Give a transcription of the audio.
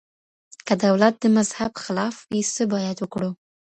که دولت د مذهب خلاف وي څه باید وکړو؟